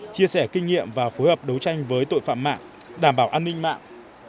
chia sẻ kinh nghiệm và phối hợp đấu tranh với tội phạm mạng đảm bảo an ninh mạng